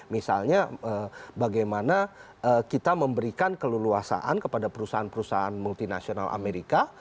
misalnya bagaimana kita memberikan keleluasaan kepada perusahaan perusahaan multinasional amerika